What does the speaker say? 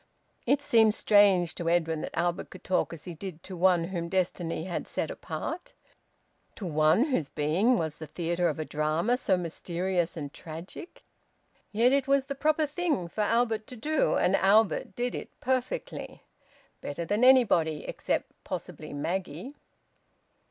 It seemed strange to Edwin that Albert could talk as he did to one whom destiny had set apart, to one whose being was the theatre of a drama so mysterious and tragic. Yet it was the proper thing for Albert to do, and Albert did it perfectly, better than anybody, except possibly Maggie.